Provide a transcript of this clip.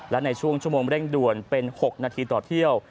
และในช่วงชั่วโมงเร่งด่วนเป็น๖นาทีต่อเที่ยว